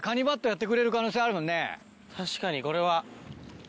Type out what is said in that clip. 確かにこれは。